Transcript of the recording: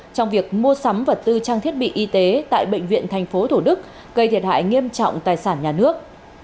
trong việc mua sắm vật tư trang thiết bị y tế tại bệnh viện tp thủ đức gây thiệt hại nghiêm trọng tài sản nhà nước